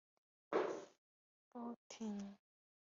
侧耳属的菇类常出现在热带气候和温带气候。